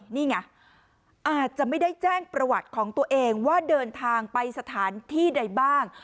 นี่ไงอาจจะไม่ได้แจ้งประวัติของตัวเองว่าเดินทางไปสถานที่ใดบ้าง